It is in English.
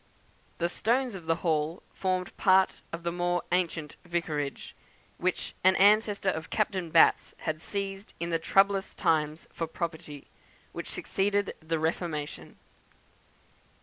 The stones of the Hall formed part of the more ancient vicarage, which an ancestor of Captain Batt's had seized in the troublous times for property which succeeded the Reformation.